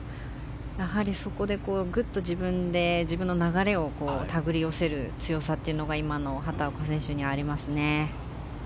やはりそこでぐっと自分で自分の流れを手繰り寄せる強さというのが今の畑岡選手にはありますね。